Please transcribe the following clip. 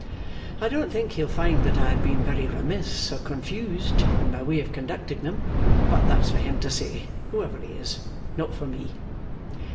I don't think he'll find that I have been very remiss or confused in my way of conducting them; but that's for him to say whoever he is not for me.